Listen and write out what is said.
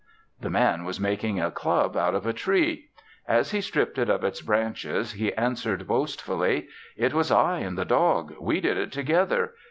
The Man was making a club out of a tree. As he stripped it of its branches, he answered boastfully, "It was I and the dog; we did it together.